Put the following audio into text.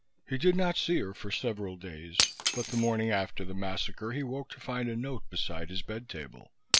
He did not see her for several days, but the morning after the massacre he woke to find a note beside his bed table.